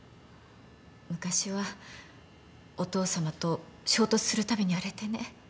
昔はお父さまと衝突するたびに荒れてね。